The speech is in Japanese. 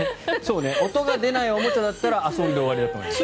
音が出ないおもちゃだったら遊んで終わりだと思います。